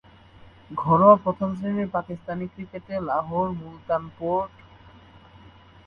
ঘরোয়া প্রথম-শ্রেণীর পাকিস্তানি ক্রিকেটে Lahore, Multan, port Qasim authority, Sui gas corporation দলের প্রতিনিধিত্ব করেন।